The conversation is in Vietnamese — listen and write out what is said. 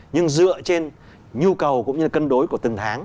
nhưng dựa trên nhu cầu cũng như cân đối của từng tháng